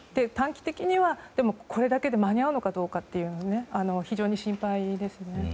短期的にはこれだけで間に合うかどうか非常に心配ですよね。